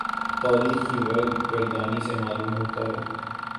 تاریخ کی ورق گردانی سے معلوم ہوتا ہے